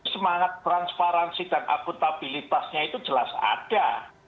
semangat transparansi dan akuntabilitasnya itu jelas ada